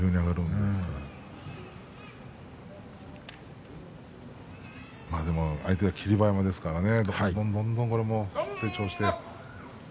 でも相手が霧馬山ですからねどんどんどんどん、これも成長して。